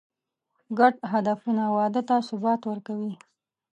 ګډ هدفونه واده ته ثبات ورکوي.